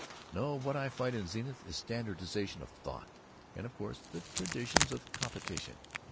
"No, what I fight in Zenith is standardization of thought, and, of course, the traditions of competition.